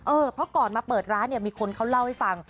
เพราะก่อนมาเปิดร้านเนี่ยมีคนเขาเล่าให้ฟัง